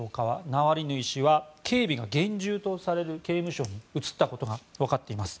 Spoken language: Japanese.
ナワリヌイ氏は警備が厳重とされる刑務所に移ったことが分かっています。